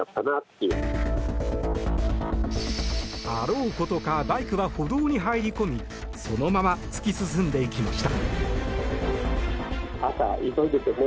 あろうことかバイクは歩道に入り込みそのまま突き進んでいきました。